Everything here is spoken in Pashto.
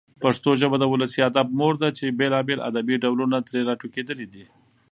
پښتو ژبه د ولسي ادب مور ده چي بېلابېل ادبي ډولونه ترې راټوکېدلي دي.